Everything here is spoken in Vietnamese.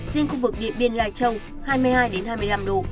riêng khu vực điện biên lai châu hai mươi hai hai mươi năm độ